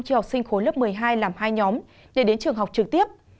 cho học sinh khối lớp một mươi hai làm hai nhóm để đến trường học trực tiếp